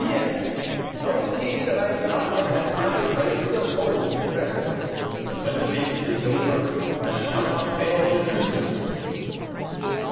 "P.S. Tell the king that I have not yet had time to pray for the souls of his friends; but when the vintage is over; I shall not fail to do so."